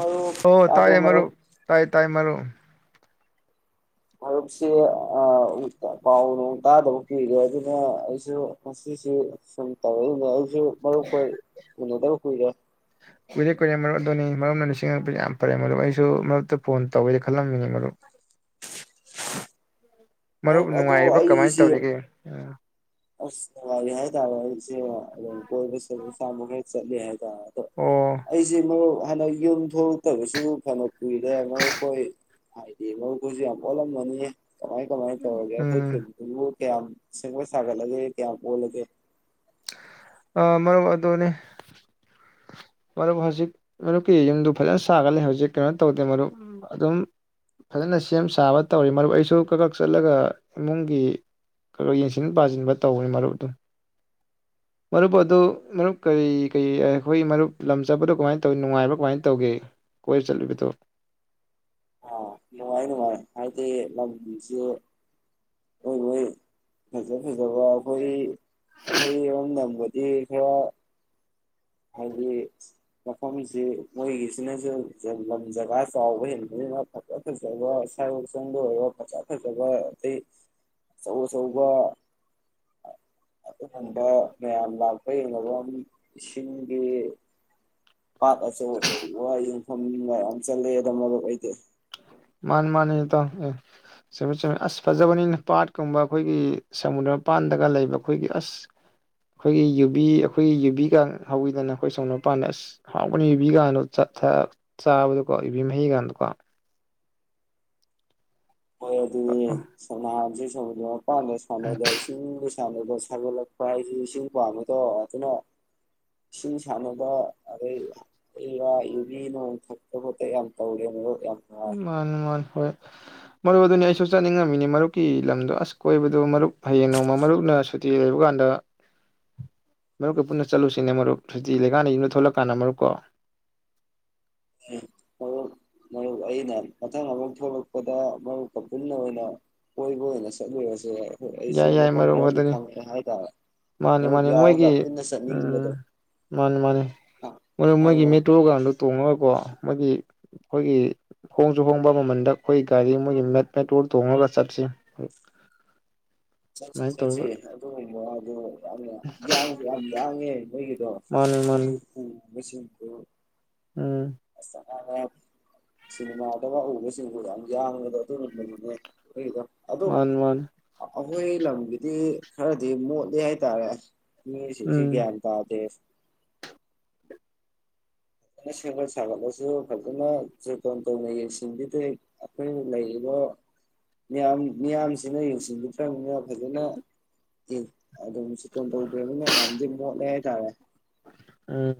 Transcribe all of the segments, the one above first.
ꯃꯔꯨꯞ ꯑꯣ ꯇꯥꯕ꯭ꯔꯣ ꯇꯥꯏꯌꯦ ꯃꯔꯨꯞ ꯇꯥꯏ ꯇꯥꯏ ꯃꯔꯨꯞ ꯫ ꯃꯔꯛꯁꯦ ꯑꯥ ꯄꯥꯎ ꯅꯣꯡ ꯇꯥꯗꯕ ꯀꯨꯏꯔꯦ ꯑꯗꯨꯅ ꯑꯩꯁꯨ ꯉꯁꯤꯁꯤ ꯁꯨꯝ ꯇꯧꯔꯛꯏꯅꯦ ꯑꯩ [unintelligible] ꯃꯔꯨꯞ ꯈꯣꯏ ꯎꯅꯗꯕ ꯀꯏꯔꯦ꯫ ꯀꯨꯏꯔꯦ ꯀꯨꯏꯔꯦ ꯃꯔꯨꯞ ꯑꯗꯨꯅꯤ ꯃꯔꯝꯅ ꯅꯤꯡꯁꯤꯡꯉꯛꯄꯦ ꯌꯥꯝ ꯐꯔꯦ ꯃꯔꯨꯞ ꯑꯩꯁꯨ ꯃꯔꯨꯞꯛꯇ ꯐꯣꯟ ꯇꯧꯒꯦ ꯈꯜꯂꯝꯃꯤꯅꯦ ꯃꯔꯨꯞ꯫ ꯃꯔꯨꯞ ꯅꯨꯡꯉꯥꯏꯔꯤꯕ ꯀꯃꯥꯏꯅ ꯇꯧꯔꯤꯒꯦ ꯎ ꯑꯥꯁ [unintelligible] [unintelligible] [unintelligible] [unintelligible] [unintelligible] ꯆꯂꯤ ꯍꯥꯏ ꯑꯗꯣ ꯑꯣ ꯑꯩꯁꯦ ꯃꯔꯨꯞ ꯐꯅ ꯌꯨꯝ ꯊꯣꯛꯂꯛꯇꯕꯁꯨ ꯐꯅ ꯫ ꯀꯨꯏꯔꯦ ꯃꯔꯨꯞ ꯈꯣꯏ ꯍꯥꯏꯗꯤ ꯃꯔꯨꯞ ꯈꯣꯏꯁꯨ ꯌꯥꯝꯑꯣꯜꯂꯝ ꯃꯅꯤꯍꯦ ꯀꯃꯥꯏ ꯀꯃꯥꯏ ꯇꯧꯔꯒꯦ ꯑꯩ ꯈꯣꯏ ꯎꯝ [unintelligible] ꯀꯌꯥꯝ ꯁꯦꯝꯒꯠ ꯁꯥꯒꯠꯂꯒꯦ ꯀꯌꯥꯝ ꯑꯣꯜꯂꯒꯦ꯫ ꯑꯥ ꯃꯔꯨꯞ ꯑꯗꯨꯅꯦ ꯃꯔꯨꯞ ꯍꯧꯖꯤꯛ ꯃꯔꯨꯞꯀꯤ ꯌꯨꯝꯗꯨ ꯐꯖꯅ ꯁꯥꯒꯠꯂ ꯍꯧꯖꯤꯛ ꯀꯩꯅꯣ ꯇꯧꯗꯦ ꯃꯔꯨꯞ ꯑꯗꯨꯝ ꯐꯖꯅ ꯁꯦꯝ ꯁꯥꯕ ꯇꯧꯔꯤ ꯃꯔꯨꯞ ꯑꯩꯁꯨ ꯈꯔꯈꯔ ꯆꯠꯂꯒ ꯏꯃꯨꯡꯒꯤ ꯈꯔꯥ ꯈꯔꯥ ꯌꯦꯡꯁꯤꯟ ꯄꯥꯁꯤꯟꯕ ꯇꯧꯕꯅꯤ ꯃꯔꯨꯞꯗꯨ꯫ ꯃꯔꯨꯞ ꯑꯗꯨ ꯃꯔꯨꯞ ꯀꯔꯤ ꯀꯔꯤ ꯑꯩꯈꯣꯏ ꯃꯔꯨꯞ ꯂꯝ ꯆꯠꯄꯗꯣ ꯀꯃꯥꯏꯅ ꯇꯧ ꯅꯨꯡꯉꯥꯏꯕ꯭ꯔꯥ ꯀꯃꯥꯏꯅ ꯇꯧꯒꯦ ꯀꯣꯏ ꯆꯠꯂꯨꯏꯕꯗꯣ꯫ ꯑꯣ ꯅꯨꯡꯉꯥꯏ ꯅꯨꯡꯉꯥꯏ ꯍꯥꯏꯗꯤ ꯂꯝꯁꯦ ꯃꯣꯏ ꯃꯣꯏ ꯐꯖ ꯐꯖꯕ ꯑꯩꯈꯣꯏ ꯑꯩꯈꯣꯏ ꯏꯔꯣꯝꯊꯪꯕꯗꯤ ꯈꯔ ꯍꯥꯏꯗꯤ ꯃꯐꯝꯁꯤ ꯃꯣꯏꯒꯤꯁꯤꯅꯁꯨ ꯂꯝ ꯖꯒꯥ ꯆꯥꯎꯕ ꯍꯦꯟꯕ ꯅꯤꯅ ꯐꯖ ꯐꯖꯕ ꯁꯥꯔꯣꯛꯁꯪꯗ ꯑꯣꯏꯔ ꯐꯖ ꯐꯖꯕ ꯑꯇꯩ ꯑꯆꯧ ꯑꯆꯧꯕ [unintelligible] ꯃꯌꯥꯝ ꯂꯥꯛꯄꯩ [unintelligible] ꯏꯁꯤꯡꯒꯤ ꯄꯥꯠ ꯑꯆꯧ ꯑꯆꯧꯕ ꯌꯥꯝ ꯎꯝ ꯃꯌꯥꯝ ꯆꯠꯂꯛꯑꯦꯗ ꯃꯔꯨꯞ ꯑꯩꯗꯤ ꯃꯥꯅꯤ ꯃꯥꯅꯤ ꯏꯇꯥꯎ ꯑꯦ ꯆꯨꯝꯃꯤ ꯆꯨꯝꯃꯤ ꯑꯁ ꯐꯖꯕꯅꯤꯅꯦ ꯄꯥꯠꯀꯨꯝꯕ ꯑꯩꯈꯣꯏꯒꯤ ꯁꯃꯨꯗ꯭ꯔꯃꯄꯥꯟꯗꯒ ꯂꯩꯕ ꯑꯩꯈꯣꯏꯒꯤ ꯑꯁ ꯑꯩꯈꯣꯏꯒꯤ ꯌꯨꯕꯤ ꯑꯩꯈꯣꯏꯒꯤ ꯌꯨꯕꯤꯒ ꯍꯧꯋꯤꯗꯅ ꯑꯩꯈꯣꯏ ꯁꯃꯨꯗ꯭ꯔ ꯃꯄꯥꯟꯗ ꯑꯁ ꯍꯥꯎꯕꯅꯤ ꯌꯨꯕꯤꯒꯥꯗꯣ ꯆꯥ ꯊꯛꯑ ꯆꯥꯕꯗꯀꯣ ꯌꯨꯕꯤ ꯃꯍꯤꯒꯥꯗꯣ ꯀꯣ ꯍꯣꯏ ꯑꯗꯨꯅꯤꯅꯦ ꯏꯁ ꯁ ꯅꯍꯥꯟꯖꯦ ꯇꯧꯕꯗꯤ ꯌꯥꯎ ꯂꯧꯁꯤꯟꯕ ꯉꯝꯗꯕ ꯁꯥꯟꯅꯕ ꯁꯥꯒꯠꯂꯛꯄ ꯍꯥꯏꯁꯤ ꯏꯁꯤꯡ ꯄꯥꯝꯃꯤꯗꯣ ꯑꯗꯨꯅ ꯏꯁꯤꯡ ꯁꯥꯟꯅꯕ ꯑꯗꯩ ꯍꯩ ꯔꯥ ꯌꯨꯕꯤ ꯅꯣꯡ ꯊꯛꯇ ꯈꯣꯠꯇ ꯌꯥꯝ ꯇꯧꯔꯦ ꯃꯍꯣꯏ ꯃꯥꯟꯅꯤ ꯃꯥꯟꯅꯤ ꯍꯣꯏ ꯁꯍꯍ- ꯃꯔꯨꯞ ꯑꯗꯨꯅꯤ ꯑꯩꯁꯨ ꯆꯠꯅꯤꯡꯉꯝꯃꯤꯅꯤ ꯃꯔꯨꯞꯀꯤ ꯂꯝꯗꯣ ꯑꯁ ꯀꯣꯏꯕꯗꯣ ꯃꯔꯨꯞ ꯍꯌꯦꯡ ꯅꯣꯡꯃ ꯃꯔꯨꯞꯅ ꯁꯨꯇꯤ ꯂꯩꯕ ꯀꯥꯟꯗ ꯃꯔꯨꯞꯀ ꯄꯨꯟꯅ ꯆꯠꯂꯨꯁꯤꯅꯦ ꯃꯔꯨꯞ ꯁꯨꯇꯤ ꯂꯩꯀꯥꯟꯗ ꯌꯨꯝꯗ ꯊꯣꯛꯂꯛꯀꯥꯟꯗ ꯃꯔꯨꯞꯀꯣ ꯎꯝ ꯃꯔꯨꯞ ꯃꯔꯨꯞ ꯑꯩꯅ ꯃꯊꯪ ꯑꯃꯨꯛ ꯊꯣꯛꯂꯛꯄꯗ ꯃꯔꯨꯞꯀ ꯄꯨꯟꯅ ꯑꯣꯏꯅ ꯀꯣꯏꯕ ꯑꯣꯏꯅ ꯆꯠꯂꯨꯔꯁꯤ ꯌꯥꯏ ꯌꯥꯏ ꯌꯥꯏ ꯃꯔꯨꯞ ꯑꯗꯨꯅꯤ ꯃꯥꯅꯤ ꯃꯔꯨꯞ ꯃꯥꯅꯤ ꯌꯥꯎꯔꯒ ꯃꯣꯏꯒꯤ ꯄꯨꯟꯅ ꯎꯝ ꯆꯠꯅꯤꯡꯕꯗꯣ ꯃꯥꯅꯤ ꯃꯥꯅꯤ ꯃꯔꯨꯞ ꯃꯣꯏꯒꯤ ꯍꯥꯏꯔꯛꯑꯣ ꯃꯦꯇ꯭ꯔꯣꯒꯥꯡꯗꯣ ꯇꯣꯡꯉꯒꯀꯣ ꯃꯣꯏꯒꯤ ꯑꯩꯈꯣꯏꯒꯤ ꯍꯣꯡꯁꯨ ꯍꯣꯡꯕ ꯃꯃꯟꯗ ꯑꯩꯈꯣꯏ ꯒꯥꯔꯤ ꯃꯣꯏꯒꯤ ꯃꯦꯠ ꯃꯦꯇ꯭ꯔꯣꯗꯣ ꯇꯣꯡꯉꯒ ꯆꯠꯁꯤ ꯆꯠꯁꯤ ꯑꯗꯨꯃꯥꯏꯅ ꯆꯠꯁꯤ ꯇꯧꯔꯒ ꯑꯗꯨꯒꯨꯝꯕꯗꯣ ꯌꯥꯝꯅ ꯌꯥꯡꯁꯨ ꯌꯥꯝ ꯌꯥꯡꯉꯦ ꯃꯣꯏꯒꯤꯗꯣ ꯃꯥꯅꯤ ꯃꯥꯅꯤ ꯃꯁꯤꯝꯇ ꯎꯝ ꯑꯁ ꯅꯥꯕ ꯁꯤꯅꯦꯃꯥꯗꯒ ꯎꯕꯁꯤꯡꯗꯨ ꯌꯥꯝ ꯌꯥꯝꯕꯗꯣ ꯑꯗꯨꯒꯨꯝꯕꯅꯤꯅꯦ ꯃꯣꯏꯒꯤꯗꯣ ꯃꯥꯅꯤ ꯃꯥꯅꯤ ꯑꯩꯈꯣꯏ ꯂꯝꯒꯤꯗꯤ ꯈꯔꯗꯤ ꯃꯣꯠꯂꯤ ꯍꯥꯏꯇꯥꯔꯦ ꯃꯤꯌꯣꯏꯁꯤꯡꯁꯤ ꯎꯝ ꯒ꯭ꯌꯥꯟ ꯇꯥꯗꯦ ꯐꯖꯅ ꯁꯦꯝꯒꯠ ꯁꯥꯒꯠꯂꯁꯨ ꯐꯖꯅ ꯖꯣꯇꯣꯟ ꯇꯧꯅ ꯌꯦꯡꯁꯤꯟꯕꯤꯗꯦ ꯑꯩꯈꯣꯏꯅ ꯂꯩꯔꯤꯕ ꯃꯌꯥꯝ ꯃꯤꯌꯥꯝꯁꯤꯅ ꯌꯦꯡꯁꯤꯟꯕꯤꯗ꯭ꯔꯕꯅꯤꯅ ꯐꯖꯅ ꯑꯗꯨꯝ ꯖꯣꯇꯣꯟ ꯇꯧꯗ꯭ꯔꯕꯅꯤꯅ ꯌꯥꯝꯗꯤ ꯃꯣꯠꯂꯦ ꯍꯥꯏꯇꯥꯔꯦ ꯎꯝ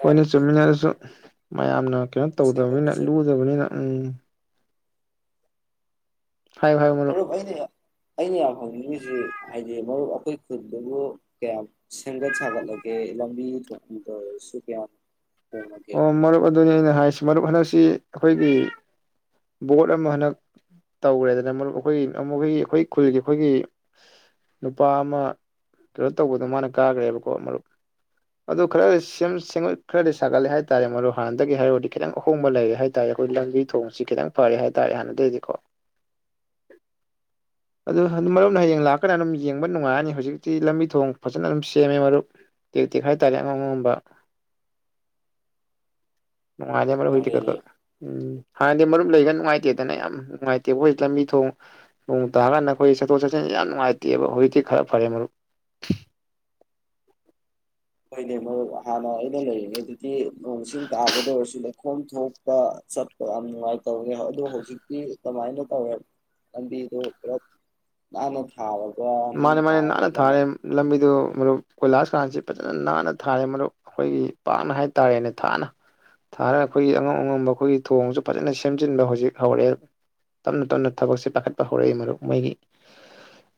ꯍꯣꯏꯅꯦ ꯆꯨꯝꯃꯤꯅꯦ ꯑꯗꯨꯁꯨ ꯃꯌꯥꯝꯅ ꯀꯩꯅꯣ ꯇꯧꯗꯕꯅꯤꯅ ꯂꯨꯗꯕꯅꯤꯅ ꯎꯝ ꯍꯥꯏꯌꯨ ꯍꯥꯏꯌꯨ ꯃꯔꯨꯞ ꯑꯗꯨꯕꯨ ꯑꯩꯅ ꯌꯥꯝ ꯑꯩꯅ ꯌꯥꯝ ꯍꯪꯅꯤꯡꯉꯤꯁꯤ ꯍꯥꯏꯗꯤ ꯃꯔꯨꯞ ꯑꯩꯈꯣꯏ ꯈꯨꯜꯗꯨꯕꯨ ꯀꯌꯥꯝ ꯁꯦꯝꯒꯠ ꯁꯥꯒꯠꯂꯒꯦ ꯂꯝꯕꯤ ꯊꯣꯡꯒꯤꯗ ꯑꯣꯏꯔꯁꯨ ꯀꯌꯥꯝ ꯍꯣꯡꯉꯒꯦ ꯑꯣ ꯃꯔꯨꯞ ꯑꯗꯨꯅꯤ ꯑꯩꯅ ꯍꯥꯏꯁꯦ ꯃꯔꯨꯞ ꯍꯟꯗꯛꯁꯤ ꯑꯩꯈꯣꯏꯒꯤ ꯕꯣꯠ ꯑꯃ ꯍꯟꯗꯛ ꯇꯧꯈ꯭ꯔꯦꯗꯅ ꯃꯔꯨꯞ ꯑꯩꯈꯣꯏꯒꯤ ꯃꯈꯣꯏꯒꯤ ꯑꯩꯈꯣꯏ ꯈꯨꯜꯒꯤ ꯑꯩꯈꯣꯏꯒꯤ ꯁꯁ ꯅꯨꯄꯥ ꯑꯃ ꯀꯩꯅꯣ ꯇꯧꯕꯗꯣ ꯃꯥꯅ ꯀꯥꯈ꯭ꯔꯦꯕꯀꯣ ꯃꯔꯨꯞ ꯑꯗꯨ ꯈꯔꯗꯤ ꯁꯦꯝ ꯁꯦꯝꯒꯠ ꯈꯔꯗꯤ ꯁꯥꯒꯠꯂꯦ ꯍꯥꯏꯇꯥꯔꯦ ꯃꯔꯨꯞ ꯍꯥꯟꯅꯗꯒꯤ ꯍꯥꯏꯔꯨꯔꯗꯤ ꯈꯤꯇꯪ ꯑꯍꯣꯡꯕ ꯂꯩꯔꯦ ꯍꯥꯏꯇꯥꯥꯔꯦ ꯑꯩꯈꯣꯏ ꯂꯝꯕꯤ ꯊꯣꯡꯁꯤ ꯈꯤꯇꯪ ꯐꯔꯦ ꯍꯥꯏꯇꯥꯥꯔꯦ ꯍꯥꯟꯅꯗꯒꯤꯗꯤꯀꯣ ꯑꯗꯨ ꯍꯥꯟ ꯃꯔꯨꯞꯅ ꯍꯌꯦꯡ ꯂꯥꯛꯀꯥꯟꯗ ꯑꯗꯨꯝ ꯌꯦꯡꯕ ꯅꯨꯡꯉꯥꯏꯔꯅꯤ ꯍꯧꯖꯤꯛꯇꯤ ꯂꯝꯕꯤ ꯊꯣꯡ ꯐꯖꯅ ꯑꯗꯨꯝ ꯁꯦꯝꯃꯦ ꯃꯔꯨꯞ ꯇꯦꯛ ꯇꯦꯛ ꯍꯥꯏ ꯇꯥꯔꯦ ꯑꯉꯝ ꯑꯉꯝꯕ ꯅꯨꯡꯉꯥꯏꯔꯦ ꯃꯔꯨꯞ ꯍꯧꯖꯤꯛꯇꯤ ꯀꯛ ꯍꯥꯏꯗꯤ ꯀꯛ ꯎꯝ ꯍꯥꯟꯅꯗꯤ ꯃꯔꯨꯞ ꯂꯩꯒ ꯅꯨꯡꯉꯥꯏꯇꯦꯗꯅ ꯌꯥꯝ ꯅꯨꯡꯉꯥꯏꯇꯦꯕ ꯑꯩꯈꯣꯏ ꯂꯝꯕꯤ ꯊꯣꯡ ꯅꯣꯡ ꯇꯥꯔꯀꯥꯟꯗ ꯑꯩꯈꯣꯏ ꯆꯠꯊꯣꯛ ꯆꯠꯁꯤꯟꯁꯤ ꯌꯥꯝ ꯅꯨꯡꯉꯥꯏꯇꯦꯕ ꯍꯧꯖꯤꯛꯇꯤ ꯈꯔ ꯐꯔꯦ ꯃꯔꯨꯞ ꯍꯍ ꯍꯣꯏꯅꯦ ꯃꯔꯨꯞ ꯍꯥꯟꯅ ꯑꯩꯅ ꯂꯩꯔꯤꯉꯩꯗꯗꯤ ꯅꯣꯡ ꯁꯤꯡ ꯇꯥꯕꯗ ꯑꯣꯏꯔꯁꯨ ꯂꯩ ꯈꯣꯝ ꯊꯣꯛꯄ ꯆꯠꯄ ꯌꯥꯝ ꯅꯨꯡꯉꯥꯏꯇꯕꯅꯦ ꯑꯗꯣ ꯍꯧꯖꯤꯛꯇꯤ ꯀꯃꯥꯏꯅ ꯇꯧꯔꯦ ꯂꯝꯕꯤꯗꯣ ꯄꯨꯂꯞ ꯅꯥꯟꯅ ꯊꯥꯔ ꯃꯥꯅꯦ ꯃꯥꯅꯦ ꯅꯥꯟꯅ ꯊꯥꯔꯦ ꯂꯝꯕꯤꯗꯨ ꯃꯔꯨꯞ ꯀꯣꯏꯂꯥꯁꯀꯥꯟꯁꯤ ꯐꯖꯅ ꯅꯥꯟꯅ ꯊꯥꯔꯦ ꯃꯔꯨꯞ ꯑꯩꯈꯣꯏꯒꯤ ꯄꯥꯛꯅ ꯍꯥꯏꯇꯥꯔꯦꯅꯦ ꯊꯥꯅ ꯊꯥꯔꯒ ꯑꯩꯈꯣꯏꯒꯤ ꯑꯉꯝ ꯑꯉꯝꯕ ꯑꯩꯈꯣꯏꯒꯤ ꯊꯣꯡꯁꯨ ꯐꯖꯅ ꯁꯦꯝꯖꯤꯟꯕ ꯍꯧꯖꯤꯛ ꯍꯧꯔꯛꯑꯦ ꯇꯞꯅ ꯇꯞꯅ ꯊꯕꯛꯁꯦ ꯄꯥꯏꯈꯠꯄ ꯍꯧꯔꯛꯏ ꯃꯔꯨꯞ ꯃꯣꯏꯒꯤ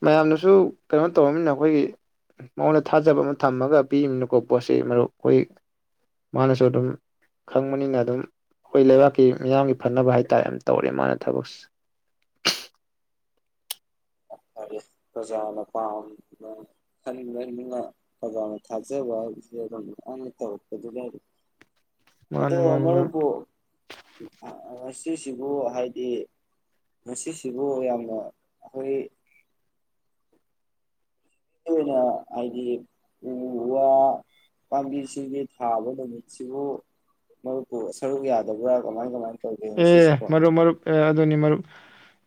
ꯃꯌꯥꯝ ꯁꯨ ꯀꯩꯅꯣ ꯇꯧꯔꯕꯅꯤꯅ ꯑꯩꯈꯣꯏꯒꯤ ꯃꯉꯣꯟꯗ ꯊꯥꯖꯕ ꯑꯃ ꯊꯝꯃꯒ ꯄꯤꯃꯤꯅꯀꯣ ꯄꯣꯠꯁꯤ ꯃꯔꯨꯞ ꯑꯩꯈꯣꯏ ꯃꯥꯅꯁꯨ ꯑꯗꯨꯝ ꯈꯪꯕꯅꯤꯅ ꯑꯗꯨꯝ ꯑꯩꯈꯣꯏ ꯂꯩꯕꯥꯛꯀꯤ ꯃꯤꯌꯥꯝꯒꯤ ꯐꯅꯕ ꯍꯥꯏꯇꯥꯥꯔꯦ ꯑꯗꯨ ꯇꯧꯔꯦ ꯃꯥꯅ ꯊꯕꯛꯁ ꯍꯥꯏꯗꯤ ꯄ꯭ꯔꯖꯥꯅ ꯄꯥꯝꯅ ꯈꯟꯅꯤꯅ ꯄ꯭ꯔꯖꯥꯅ ꯊꯥꯖꯕ ꯍꯥꯏꯕꯁꯦ ꯑꯗꯨꯝ ꯑꯩꯅ ꯇꯧꯔꯛꯄꯗꯨ ꯂꯩꯔꯤ ꯑꯗꯣ ꯃꯥꯅꯤ ꯃꯥꯅꯤ ꯃꯔꯨꯞ ꯃꯔꯨꯄꯨ ꯁꯤꯁꯤꯕꯨ ꯍꯥꯏꯗꯤ ꯉꯁꯤꯁꯤꯕꯨ ꯌꯥꯝꯅ ꯑꯩꯈꯣꯏ ꯑꯣꯏꯅ ꯍꯥꯏꯗꯤ ꯎ ꯋꯥ ꯄꯥꯝꯕꯤꯁꯤꯡꯒꯤ ꯊꯥꯕ ꯅꯨꯃꯤꯠꯁꯤꯕꯨ ꯃꯔꯨꯞꯄꯨ ꯁꯔꯨꯛ ꯌꯥꯗꯕ꯭ꯔꯥ ꯀꯃꯥꯏ ꯀꯃꯥꯏ ꯑꯦ ꯃꯔꯨꯞ ꯃꯔꯨꯞ ꯑꯦ ꯑꯗꯨꯅꯤ ꯃꯔꯨꯞ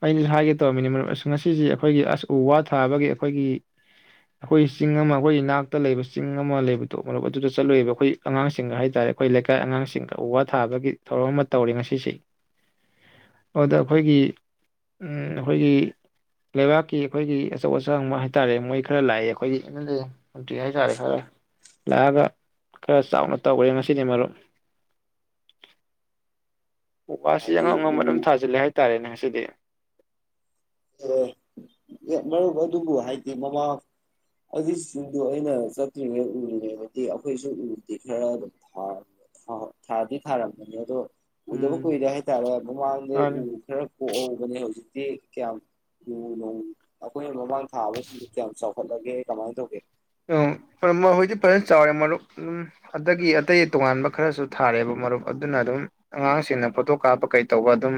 ꯑꯩꯅꯁꯨ ꯍꯥꯏꯒꯦ ꯇꯧꯔꯝꯃꯤꯅꯤ ꯃꯔꯨꯞ ꯑꯁ ꯉꯁꯤ ꯑꯩꯈꯣꯏꯒꯤ ꯑꯁ ꯎ ꯋꯥ ꯊꯥꯕꯒꯤ ꯑꯩꯈꯣꯏꯒꯤ ꯑꯩꯈꯣꯏꯒꯤ ꯆꯤꯡ ꯑꯃ ꯑꯩꯈꯣꯏꯒꯤ ꯏ ꯅꯥꯛꯇ ꯂꯩꯕ ꯆꯤꯡ ꯑꯃ ꯂꯩꯕꯗꯨꯣ ꯃꯔꯨꯞ ꯑꯗꯨꯗ ꯆꯠꯂꯨꯔꯤꯕ ꯑꯩꯈꯣꯏ ꯑꯉꯥꯡꯁꯤꯡꯒ ꯍꯥꯏ ꯇꯇꯥꯔꯦꯈꯣꯏ ꯂꯩꯀꯥꯏ ꯑꯉꯥꯡꯁꯤꯡꯒ ꯎ ꯋꯥ ꯊꯥꯕꯒꯤ ꯊꯧꯔꯝ ꯑꯃ ꯇꯧꯔꯤꯦ ꯉꯁꯤ ꯁꯤꯁꯦ ꯑꯗꯨꯗ ꯑꯩꯈꯣꯏꯒꯤ ꯑꯩꯈꯣꯏꯒꯤ ꯂꯩꯕꯥꯛꯀꯤ ꯑꯩꯈꯣꯏꯒꯤ ꯑꯆꯧ ꯑꯁꯥꯡꯕ ꯍꯥꯏꯇꯥꯔꯦ ꯃꯣꯏ ꯈꯔ ꯂꯥꯛꯑꯦ ꯑꯩꯈꯣꯏꯒꯤ ꯑꯦꯝ ꯑꯦꯜ ꯑꯦ ꯃꯟꯇ꯭ꯔꯤ ꯍꯥꯏꯇꯥꯔꯦ ꯈꯔ ꯂꯥꯛꯑꯒ ꯈꯔ ꯆꯥꯎꯅ ꯇꯧꯈ꯭ꯔꯦ ꯉꯁꯤꯗꯤ ꯃꯔꯨꯞ ꯎ ꯋꯥꯁꯤ ꯍꯥꯏꯗꯤ ꯑꯉꯥꯡ ꯎ ꯑꯉꯝꯕ ꯑꯗꯨꯝ ꯊꯥꯖꯤꯜꯂꯦ ꯍꯥꯏꯇꯥꯔꯦꯅꯦ ꯉ ꯑꯗꯨꯗꯤ ꯑꯦ ꯃꯔꯨꯞ ꯑꯗꯨꯕꯨ ꯍꯥꯏꯗꯤ ꯃꯃꯥ ꯑꯗꯨꯗꯨ ꯑꯩꯅ ꯆꯠꯇ꯭ꯔꯤꯉꯩ ꯎꯔꯤꯉꯗꯗꯤ ꯑꯩꯈꯣꯏꯁꯨ ꯎꯗꯦ ꯈꯔ ꯑꯗꯨꯝ ꯊꯥꯗꯤ ꯊꯥꯔꯝꯕꯅꯤ ꯑꯗꯣ ꯎꯗꯕ ꯎꯝ ꯀꯨꯏꯔꯦ ꯍꯥꯏꯇꯥꯔꯦ ꯃꯃꯥꯡꯗꯩ ꯎ ꯃꯥꯅꯤ ꯈꯔ ꯀꯣꯛꯍꯧꯕꯅꯦ ꯍꯧꯖꯤꯛ ꯇ ꯀꯌꯥꯝ ꯎ ꯅꯣꯪ ꯑꯩꯈꯣꯏꯅ ꯃꯃꯥꯡ ꯊꯥꯕꯁꯤꯁꯨ ꯀꯌꯥꯝ ꯆꯥꯎꯈꯠꯂꯒꯦ ꯀꯃꯥꯏꯅ ꯇꯧꯒꯦ ꯖꯤꯛꯇꯤ ꯐꯖꯅ ꯆꯥꯎꯔꯦ ꯃꯔꯨꯞ ꯑꯗꯨꯝ ꯑꯗꯒꯤ ꯑꯇꯩ ꯇꯣꯉꯥꯟꯕ ꯈꯔꯁꯨ ꯊꯥꯔꯦꯑꯦꯕ ꯃꯔꯨꯞ ꯑꯗꯨꯅ ꯑꯗꯨꯝ ꯑꯉꯥꯡꯁꯤꯡꯅ ꯐꯣꯇꯣ ꯀꯥꯞꯄ ꯀꯩꯇꯧꯕ ꯑꯗꯨꯝ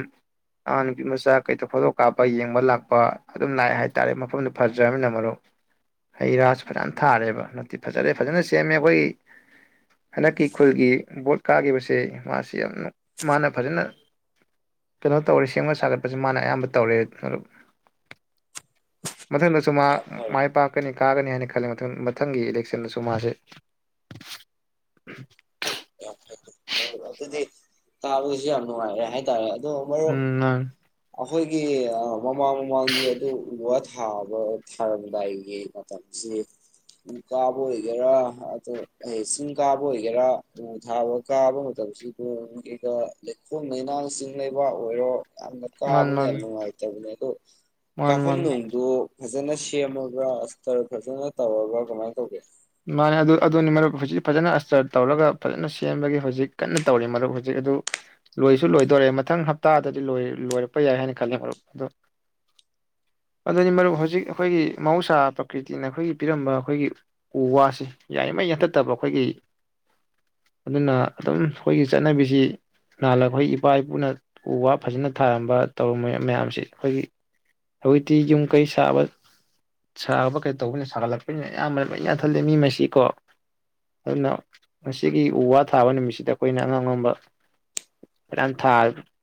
ꯑꯉꯥꯡ ꯅꯨꯄꯤ ꯃꯆꯥ ꯀꯩꯇ ꯐꯣꯇꯣ ꯀꯥꯞꯄ ꯌꯦꯡꯕ ꯂꯥꯛꯄ ꯑꯗꯨꯝ ꯂꯥꯛꯑꯦ ꯍꯥꯏ ꯇꯥꯔꯦ ꯃꯐꯝꯗꯨ ꯐꯖ꯭ꯔꯕꯅꯤꯅ ꯃꯔꯨꯞ ꯍꯩ ꯔꯥ ꯐꯅꯥꯌꯥꯝ ꯊꯥꯔꯦꯕ ꯠꯇꯦ ꯐꯖꯔꯦ ꯐꯖꯅ ꯁꯦꯝꯃꯦ ꯑꯩꯈꯣꯏꯒꯤ ꯍꯟꯗꯛꯀꯤ ꯈꯨꯜꯒꯤ ꯕꯣꯠ ꯀꯥꯈꯤꯕꯁꯦ ꯃꯥꯁꯤ ꯌꯥꯝ ꯃꯥꯅ ꯐꯖꯅ ꯀꯩꯅꯣ ꯇꯧꯔꯦ ꯁꯦꯝꯒꯠ ꯁꯥꯒꯠꯄꯁꯦ ꯃꯥꯅ ꯑꯌꯥꯝꯕ ꯇꯧꯔꯦ ꯃꯊꯪꯗꯁꯨ ꯃꯥ ꯌꯥꯝ ꯐꯔꯦ ꯃꯥꯏ ꯄꯥꯛꯀꯅꯤ ꯀꯥꯒꯅꯤ ꯍꯥꯏꯟ ꯈꯂ ꯃꯊꯪ ꯃꯊꯪꯒꯤ ꯏꯂꯦꯛꯁꯟꯗꯁꯨ ꯃꯥꯁꯦ ꯌꯥꯝ ꯐꯩꯩ ꯑꯗꯨꯗꯤ ꯇꯥꯕꯗꯁꯨ ꯌꯥꯝ ꯅꯨꯡꯉꯥꯏꯔꯦ ꯍꯥꯏꯇꯥꯔꯦ ꯑꯗꯣ ꯃꯔꯨꯞ ꯎꯝ ꯃꯥꯅꯤ ꯑꯩꯈꯣꯏꯒꯤ ꯃꯃꯥꯡ ꯃꯃꯥꯡꯗꯤ ꯑꯗꯨ ꯎ ꯋꯥ ꯊꯥꯕ ꯊꯥꯔꯝꯗꯥꯏꯒꯤ ꯃꯇꯝꯁꯤ ꯎ ꯀꯥꯕ ꯑꯣꯏꯒꯦꯔꯥ ꯑ ꯆꯤꯡ ꯀꯥꯕ ꯑꯣꯏꯒꯦꯔꯥ ꯎ ꯊꯥꯕ ꯀꯥꯕ ꯃꯇꯝꯁꯤꯗ ꯀꯩꯀ ꯂꯩꯈꯣꯜ ꯂꯩꯩꯅꯥꯡ ꯆꯤꯡ ꯂꯩꯕꯥꯛ ꯑꯣꯏꯔꯣ ꯑ ꯀꯥꯕꯗ ꯃꯥꯅꯤ ꯌꯥꯝꯥ ꯅꯨꯪꯏꯇꯕꯅꯦ ꯃꯥꯅꯤ ꯀꯐꯝ ꯃꯥꯅꯤ ꯅꯣꯪ ꯃꯥꯅꯤ ꯗꯨ ꯐꯖꯅ ꯁꯦꯝꯃꯒ ꯑꯇꯔ ꯐꯖꯅ ꯇꯧꯔꯒ ꯀꯃꯥꯏꯅ ꯇꯧꯒꯦ ꯃꯥꯅꯦ ꯑꯗꯨ ꯑꯗꯨꯅꯤ ꯃꯔꯨꯞ ꯍꯧꯖꯤꯛ ꯐꯖꯅ ꯑꯁꯇꯔ ꯇꯧꯔꯒ ꯐꯖꯅ ꯁꯦꯝꯕꯒꯤ ꯍꯧꯖꯤꯛ ꯀꯟꯅ ꯇꯧꯔꯤꯦ ꯃꯔꯨꯞ ꯍꯧꯖꯤꯛ ꯑꯗꯨ ꯂꯣꯏꯁꯨ ꯂꯣꯏꯗꯣꯔꯦ ꯃꯊꯪ ꯍꯞꯇꯥꯗꯗꯤ ꯂꯣꯏꯔꯛꯄ ꯌꯥꯏ ꯍꯥꯏꯅ ꯈꯂꯦ ꯃꯔꯨꯞ ꯑꯗ ꯑꯗꯨꯅꯤ ꯃꯔꯨꯞ ꯍꯧꯖꯤꯛ ꯑꯩꯈꯣꯏꯒꯤ ꯃꯍꯧꯁꯥ ꯄ꯭ꯔꯀꯤꯇꯤꯅ ꯑꯩꯈꯣꯏꯒꯤ ꯄꯤꯔꯝꯕ ꯑꯩꯈꯣꯏꯒꯤ ꯎ ꯋꯥꯁꯤ ꯌꯥꯔꯤꯉꯩ ꯌꯥꯟꯊꯠꯇꯕ ꯑꯩꯈꯣꯏꯒꯤ ꯑꯗꯨꯅ ꯑꯗꯨꯝ ꯑꯩꯈꯣꯏꯒꯤ ꯆꯠꯅꯕꯤꯁꯤ ꯅꯥꯍꯜꯂꯛ ꯑꯩꯈꯣꯏ ꯏꯄꯥ ꯏꯄꯨꯅ ꯎ ꯋꯥ ꯐꯖꯅ ꯊꯥꯔꯝꯕ ꯇꯧꯔꯝꯃꯤ ꯃꯌꯥꯝꯁꯤ ꯑꯩꯈꯣꯏꯒꯤ ꯍꯧꯖꯤꯛꯇꯤ ꯌꯨꯝ ꯀꯩ ꯁꯥꯕ ꯁꯥꯕ ꯀꯩ ꯇꯧꯕꯅꯤꯅ ꯁꯥꯒꯠꯂꯛꯄꯅꯤꯅ ꯑꯌꯥꯝꯕ ꯂꯣꯌ ꯌꯥꯊꯜꯜꯂꯤ ꯃꯤ ꯃꯁꯤꯀꯣ ꯑꯗꯨꯅ ꯉꯒꯤ ꯎ ꯋꯥ ꯊꯥꯕ ꯅꯨꯃꯤꯠꯁꯤꯗ ꯑꯩꯈꯣꯏꯅ ꯑꯉꯝ ꯑꯉꯝꯕ ꯃ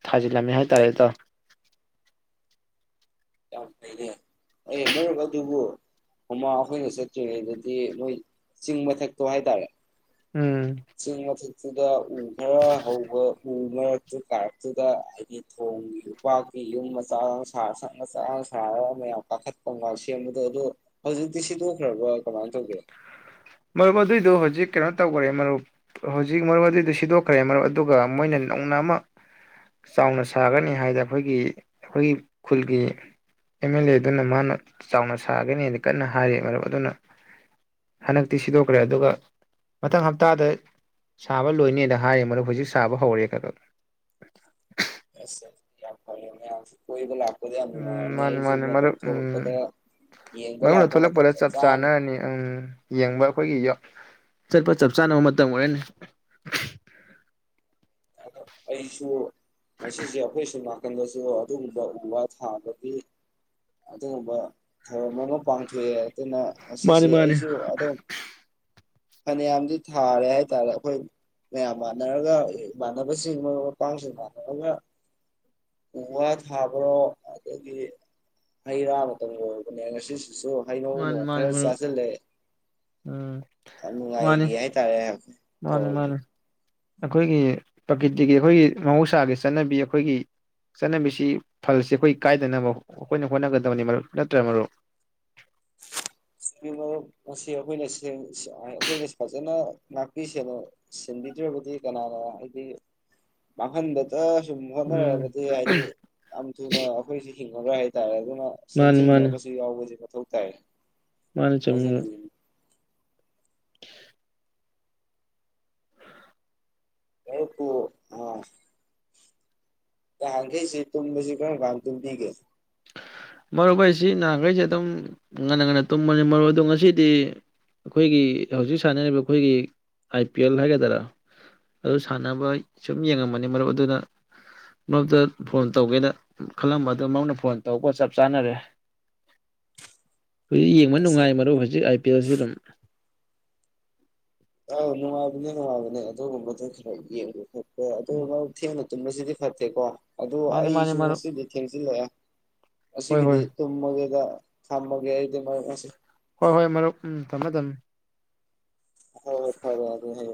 ꯊꯥꯖꯤꯜꯂꯝꯃꯦ ꯍꯥꯏꯇꯥꯔꯦꯗꯣ ꯌꯥꯝ ꯐꯩꯅꯦ ꯑꯦ ꯃꯔꯝ ꯑꯗꯨꯕꯨ ꯃꯃꯥ ꯑꯩꯈꯣꯏꯅ ꯆꯠꯇ꯭ꯔꯤꯉꯩꯗꯗꯤ ꯃꯣꯏ ꯆꯤꯡ ꯃꯊꯛꯇꯣ ꯍꯥꯏꯇꯥꯔꯦ ꯎꯝ ꯑꯗꯨꯨꯗ ꯎ ꯈꯔ ꯍꯧꯕ ꯎ ꯃꯔꯛꯇꯨ ꯀꯥꯔꯛꯇꯨꯗ ꯍꯥꯏꯗꯤ ꯊꯣꯡꯒꯤ ꯎꯄꯥꯛꯀꯤ ꯌꯨꯝ ꯃꯆꯥ ꯁꯥꯔ ꯃꯆꯥ ꯁꯥꯔꯒ ꯃꯌꯥꯝ ꯀꯥꯈꯠꯄ ꯉ ꯁꯦꯝꯕꯗꯣ ꯑꯗꯣ ꯍꯧꯖꯤꯛꯇꯤ ꯁꯤꯗꯣꯛꯈ꯭ꯔꯕ ꯀꯃꯥꯏꯅ ꯇꯧꯒꯦ ꯃꯔꯨꯞ ꯑꯗꯨꯏꯗꯨ ꯍꯧꯖꯤꯛ ꯀꯩꯅꯣ ꯇꯧꯈ꯭ꯔꯦ ꯃꯔꯨꯞ ꯍꯧꯖꯤꯛ ꯃꯔꯨꯞ ꯑꯗꯨꯏꯗꯨꯣ ꯁꯤꯗꯣꯛꯈ꯭ꯔꯦ ꯃꯔꯨꯞ ꯑꯗꯨꯒ ꯃꯣꯏꯅ ꯅꯧꯅ ꯑꯃ ꯆꯥꯎꯅ ꯁꯥꯒꯅꯤ ꯍꯥꯏꯗꯅ ꯑꯩꯈꯣꯏꯒꯤ ꯑꯩꯈꯣꯏꯒꯤ ꯈꯨꯜꯒꯤ ꯑꯦꯝ ꯑꯦꯜ ꯑꯦ ꯑꯗꯨꯅ ꯃꯥꯅ ꯆꯥꯎꯅ ꯁꯥꯒꯅꯤꯅ ꯀꯟꯅ ꯍꯥꯏꯔ ꯃꯔꯨꯞ ꯑꯗꯨꯅ ꯍꯟꯗꯛꯇꯤ ꯁꯤꯗꯣꯛꯈ꯭ꯔꯦ ꯑꯗꯨꯒ ꯃꯊꯪ ꯍꯞꯇꯥꯗ ꯁꯥꯕ ꯂꯣꯏꯅꯦꯅ ꯍꯥꯏꯔꯦ ꯃꯗꯨ ꯍꯧꯖꯤꯛ ꯁꯥꯕ ꯍꯧꯔꯦ ꯈ ꯈꯛ ꯎꯁ ꯌꯥꯝ ꯐꯥꯔꯦꯅꯦ ꯀꯣꯏꯕ ꯂꯛꯄ ꯎꯝ ꯃꯥꯅꯤ ꯃꯥꯅꯤ ꯃꯔꯨꯞ ꯎꯝ ꯌꯦꯡꯕ ꯃꯔꯨꯅ ꯂꯥꯛꯄ ꯃꯇꯝ ꯊꯣꯛꯂꯛꯄꯗ ꯆꯞ ꯆꯥꯔꯅꯤ ꯆꯥꯟꯅꯔꯅꯤ ꯎꯝ ꯌꯦꯡꯕ ꯑꯩꯈꯣꯏꯒꯤ ꯆꯠꯄ ꯆꯞ ꯆꯥꯅꯕ ꯃꯇꯝ ꯑꯣꯏꯔꯅꯤ ꯑꯩꯁꯨ ꯉꯁꯤꯁꯦ ꯑꯩꯈꯣꯏ ꯁꯨꯃꯥꯡ ꯅꯥꯀꯟꯗꯁꯨ ꯑꯗꯨꯒꯨꯝꯕ ꯎ ꯋꯥ ꯊꯥꯕꯒꯤ ꯑꯗꯨꯒꯨꯝꯕ ꯊꯧꯔꯝ ꯑꯃ ꯄꯥꯡꯊꯣꯛꯑꯦ ꯑꯗꯨꯅ ꯃꯥꯅꯤ ꯉꯁꯤꯁꯦ ꯃꯥꯅꯤ ꯑꯩꯁꯨ ꯑꯗꯨꯝ ꯐꯅꯌꯥꯝꯗꯤ ꯊꯥꯔꯦ ꯍꯥꯏꯇꯥꯔꯦ ꯑꯩꯈꯣꯏ ꯃꯌꯥꯝ ꯃꯥꯟꯅꯔꯒ ꯃꯥꯟꯅꯕꯁꯤꯡ ꯃꯔꯨꯞ ꯃꯄꯥꯡꯁꯤꯡ ꯃꯥꯟꯅꯔꯒ ꯎ ꯋꯥ ꯊꯥꯕꯔꯣ ꯑꯗꯒꯤ ꯍꯩ ꯔꯥ ꯃꯇꯝ ꯑꯣꯏꯕꯅꯦ ꯉꯁꯤꯁꯤ ꯁꯨ ꯃꯥꯅꯤ ꯍꯩꯅꯧꯅꯣꯡ ꯃꯥꯅꯤ ꯈꯔ ꯃꯔꯨꯞ ꯆꯥꯁꯤꯜꯂꯦ ꯎꯝ ꯌꯥꯝ ꯅꯨꯉꯥꯏꯒꯤ ꯍꯥꯏ ꯇꯔꯦ ꯍꯦꯞ ꯃꯥꯅꯦ ꯃꯥꯅꯦ ꯑꯩꯈꯣꯏꯒꯤ ꯄ꯭ꯔꯀꯤꯇꯤꯒꯤ ꯑꯩꯈꯣꯏꯒꯤ ꯃꯍꯧꯁꯥꯒꯤ ꯆꯠꯅꯕꯤ ꯑꯩꯈꯣꯏꯒꯤ ꯆꯠꯅꯕꯤꯁꯤ ꯐꯜꯁꯤ ꯑꯩꯈꯣꯏ ꯀꯥꯏꯗꯅꯕ ꯑꯩꯈꯣꯏꯅ ꯍꯣꯠꯅꯒꯗꯕꯅꯤ ꯃꯔꯨꯞ ꯅꯠꯇ꯭ꯔ ꯃꯔꯨꯞ ꯍꯣ ꯉꯁꯤ ꯑꯩꯈꯣꯏꯅ ꯌꯦꯡꯕꯁꯨ ꯁꯤ ꯑꯥ ꯑꯈꯣꯏꯅ ꯁꯥ ꯐꯖꯅ ꯉꯥꯛꯄꯤ ꯁꯦꯟ ꯁꯦꯟꯕꯤꯗ꯭ꯔꯕꯗꯤ ꯀꯅꯥꯅ ꯍꯥꯏꯗꯤ ꯃꯥꯡꯍꯟꯕꯇ ꯁꯨꯝ ꯎꯝ ꯍꯣꯠꯅꯔꯒꯗꯤ ꯍꯥꯏꯗꯤ ꯌꯥꯝ ꯊꯨꯅ ꯑꯩꯈꯣꯏꯁꯤ ꯍꯤꯡꯉꯔꯣꯏ ꯍꯥꯏ ꯇꯔꯦ ꯑꯩꯈꯣꯏꯅ ꯃꯥꯅꯤ ꯁꯦꯝꯖꯤꯟꯕ ꯃꯥꯅꯤ ꯑꯃꯁꯨ ꯌꯥꯎꯕꯁꯤꯅ ꯊꯧ ꯇꯥꯏ ꯃꯥꯅꯤ ꯆꯨꯝꯃꯤ ꯍꯥꯏꯖꯅꯤꯡꯉꯤ [inaudible] ꯀꯥꯡ ꯈꯩꯁꯤ ꯇꯨꯝꯕꯁꯤ ꯀꯔꯝ ꯀꯥꯟꯗ ꯇꯨꯝꯕꯤꯒꯦ ꯃꯔꯨꯞ ꯑꯩꯁꯤ ꯅꯍꯥꯟꯈꯩꯁꯦ ꯑꯗꯨꯝ ꯉꯟꯅ ꯉꯟꯅ ꯇꯨꯝꯕꯅꯤ ꯃꯔꯨꯞ ꯑꯗꯣ ꯉꯁꯤꯗꯤ ꯑꯩꯈꯣꯏꯒꯤ ꯍꯧꯖꯤꯛ ꯁꯥꯟꯅꯔꯤꯕ ꯑꯩꯈꯣꯏꯒꯤ ꯑꯥꯏ ꯄꯤ ꯑꯦꯜ ꯍꯥꯏꯒꯗꯔꯥ ꯑꯗꯨ ꯁꯥꯟꯅꯕ ꯁꯨꯝ ꯌꯦꯡꯉꯝꯕꯅꯦ ꯃꯔꯨꯞ ꯑꯗꯨꯗ ꯃꯔꯨꯞꯇ ꯐꯣꯟ ꯇꯧꯒꯦꯅ ꯈꯜꯂꯝꯕ ꯑꯗꯨ ꯃꯧꯅ ꯐꯣꯟ ꯇꯧꯕ ꯆꯞ ꯆꯥꯅꯔꯦ ꯍꯨꯏ ꯌꯦꯡꯕ ꯑꯁ ꯅꯨꯡꯉꯥꯏ ꯃꯔꯨꯞ ꯍꯧꯖꯤꯛ ꯄꯌꯥꯁꯤ ꯑꯗꯨꯝ ꯑꯧ ꯅꯨꯡꯉꯥꯏꯕꯅꯦ ꯅꯨꯡꯉꯥꯏꯕꯅꯦ ꯑꯗꯨꯒꯨꯝꯕꯗꯣ ꯈꯔ ꯌꯦꯡꯕ ꯑꯗꯨ ꯎꯝ ꯅꯪ ꯊꯦꯡꯅ ꯇꯨꯝꯕꯁꯤꯗꯤ ꯐꯠꯇꯦꯀꯣ ꯑꯗꯨ ꯃꯥꯅꯤ ꯃꯥꯅꯤ ꯑꯩꯁꯨ ꯃꯔꯨꯞ ꯉꯁꯤꯗꯤ ꯊꯦꯡꯖꯤꯜꯂꯛꯑꯦ ꯍꯣꯏ ꯍꯣꯏ ꯑꯁꯤꯒꯤꯗꯤ ꯇꯨꯝꯃꯒꯦꯗ ꯊꯝꯃꯒꯦ ꯑꯩꯗꯣ ꯃꯔꯨꯞ ꯉꯁꯤ ꯍꯣꯏ ꯍꯣꯏ ꯃꯔꯨꯞ ꯎꯝ ꯊꯝꯃꯣ ꯊꯝ ꯍꯣ ꯍꯣꯏ ꯐꯔꯦ ꯑꯗꯨ ꯍꯌꯦꯡ